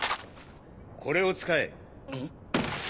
これを使え。